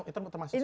itu termasuk sulit